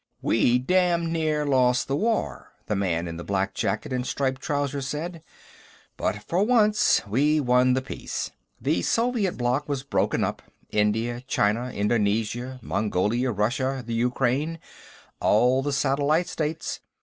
"We damn near lost the war," the man in the black jacket and striped trousers said, "but for once, we won the peace. The Soviet Bloc was broken up India, China, Indonesia, Mongolia, Russia, the Ukraine, all the Satellite States.